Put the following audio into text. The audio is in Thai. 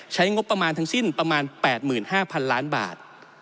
ใช้งบประมาณทั้งสิ้นประมาณ๘๕๐๐๐ล้านบาท